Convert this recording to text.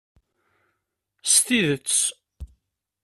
S tidet!